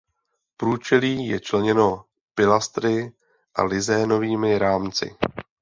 Průčelí je členěno pilastry a lizénovými rámci.